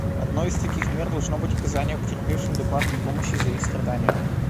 Одной из таких мер должно быть оказание потерпевшим адекватной помощи за их страдания.